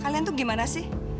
kalian tuh gimana sih